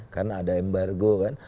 karena ada embargo kan